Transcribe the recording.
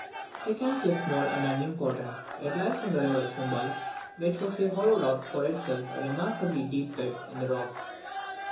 The castle is small and unimportant. It lies on the river Chumbal, which has here hollowed out for itself a remarkably deep bed in the rock.